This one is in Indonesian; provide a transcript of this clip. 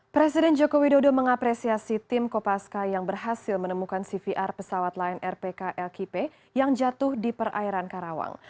presiden joko widodo mengapresiasi tim kopaska yang berhasil menemukan cvr pesawat lain rpk lkp yang jatuh di perairan karawang